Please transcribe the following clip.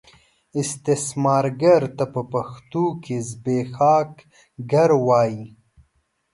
استثمارګر ته په پښتو کې زبېښاکګر وايي.